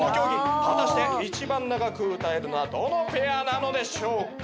果たして一番長く歌えるのはどのペアなのでしょうか？